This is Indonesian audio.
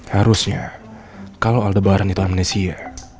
harusnya kalau aldebaran itu amnesia